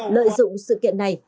lợi dụng sự kiện này